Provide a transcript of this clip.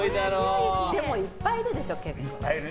でも、いっぱいいるでしょ結構。